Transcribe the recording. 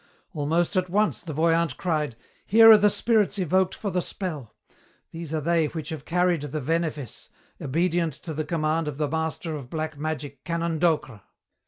"Almost at once the voyant cried, 'Here are the spirits evoked for the spell. These are they which have carried the venefice, obedient to the command of the master of black magic, Canon Docre!'